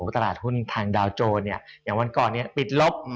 ตลาดหุ้นทางดาวโจรอย่างวันก่อนปิดลบ